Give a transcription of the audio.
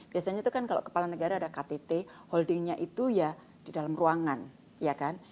biasanya itu kan kalau kepala negara ada ktt holdingnya itu ya di dalam ruangan ya kan